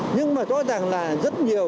nhưng mà rõ ràng là rất nhiều